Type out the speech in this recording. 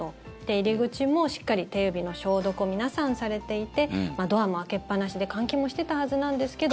入り口もしっかり手指の消毒を皆さんされていてドアも開けっぱなしで換気もしてたはずなんですけど。